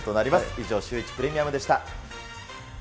以上、シューイチプレミアムでした。